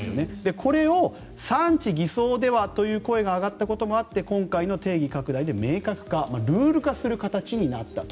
これを産地偽装ではという声が上がったこともあって今回の定義拡大で明確化ルール化する形になったと。